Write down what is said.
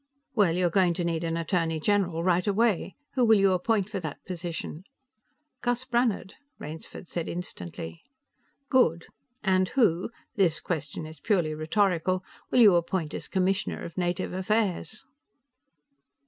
"Well, you're going to need an Attorney General right away. Who will you appoint for that position?" "Gus Brannhard," Rainsford said instantly. "Good. And who this question is purely rhetorical will you appoint as Commissioner of Native Affairs?"